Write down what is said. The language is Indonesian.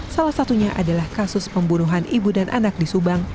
salah satunya adalah kasus pembunuhan ibu dan anak di subang